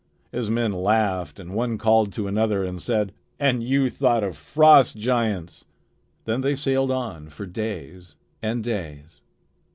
His men laughed and one called to another and said: "And you thought of frost giants!" Then they sailed on for days and days.